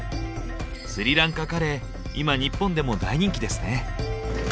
スリランカカレー今日本でも大人気ですね。